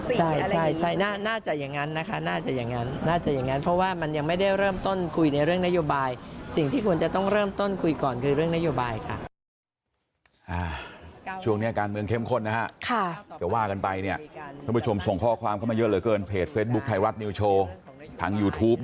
แสดงว่าจะเป็นการเอานโยบายของแต่ละพักมานั่งกูรวมกันแล้วก็เลือก๑๒๓๔อะไรอย่างนี้